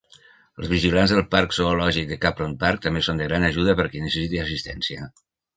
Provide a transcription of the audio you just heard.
Els vigilants del parc zoològic de Capron Park també són de gran ajuda per qui necessiti assistència.